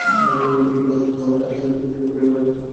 রিপন অচেতন হয়ে যাওয়ায় আদালত পুলিশের রিমান্ড আবেদন নাকচ করে দেন।